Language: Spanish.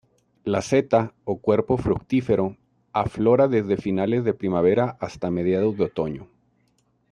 La seta, o cuerpo fructífero, aflora desde finales de primavera hasta mediados de otoño.